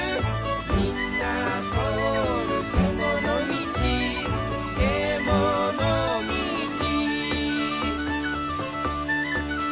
「みんなとおるけものみち」「けものみち」